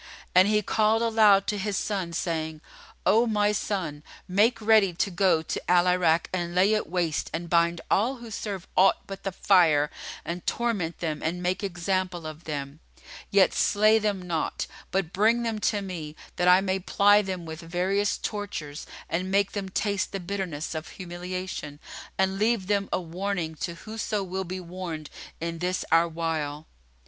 And he called aloud to his son, saying, "O my son, make ready to go to Al Irak and lay it waste and bind all who serve aught but the Fire and torment them and make example of them; yet slay them not, but bring them to me, that I may ply them with various tortures and make them taste the bitterness of humiliation and leave them a warning to whoso will be warned in this our while."